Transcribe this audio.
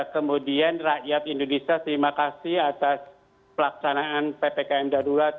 kemudian rakyat indonesia terima kasih atas pelaksanaan ppkm darurat